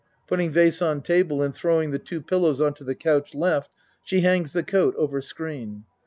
(Putting vase on table and throwing the two pillows onto the couch L. she hangs the coat over screen.)